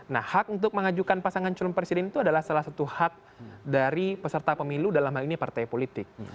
nah hak untuk mengajukan pasangan calon presiden itu adalah salah satu hak dari peserta pemilu dalam hal ini partai politik